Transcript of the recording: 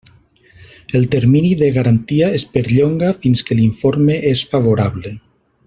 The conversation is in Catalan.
El termini de garantia es perllonga fins que l'informe és favorable.